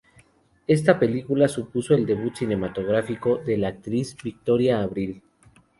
Esta película supuso el debut cinematográfico de la actriz Victoria Abril.